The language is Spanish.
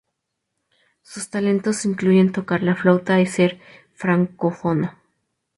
Sus talentos incluyen tocar la flauta y ser francófono.